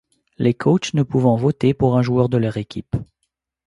Les coachs ne pouvant voter pour un joueur de leur équipe.